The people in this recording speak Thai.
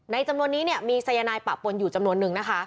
ในจำนวนนี้มีซัยนายปะปุ่นอยู่จำนวนนึง